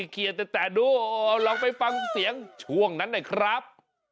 เคลียร์แต่ดูลองไปฟังเสียงช่วงนั้นหน่อยครับ